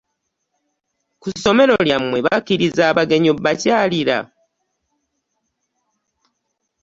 Ku ssomero lyammwe bakkiriza abagenyi obba kyalira?